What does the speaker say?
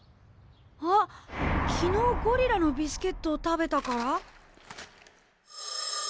あっ昨日ゴリラのビスケットを食べたから？